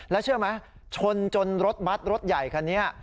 แล้วเชื่อไหมชนจนรถบัตรรถใหญ่คันนี้